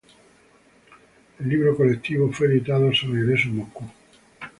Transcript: El libro colectivo fue editado a su regreso en Moscú.